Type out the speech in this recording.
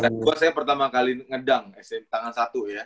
smp khas dua saya pertama kali ngedang tangan satu